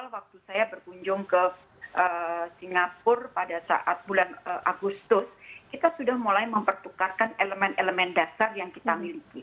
waktu saya berkunjung ke singapura pada saat bulan agustus kita sudah mulai mempertukarkan elemen elemen dasar yang kita miliki